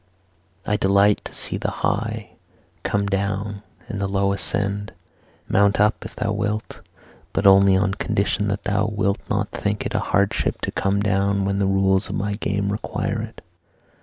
I delight to see the high come down and the low ascend. Mount up, if thou wilt, but only on condition that thou wilt not think it a hardship to come down when the rules of my game require it.